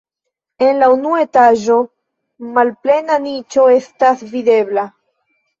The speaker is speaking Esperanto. En la unua etaĝo malplena niĉo estas videbla.